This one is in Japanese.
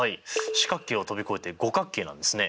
四角形を飛び越えて五角形なんですね。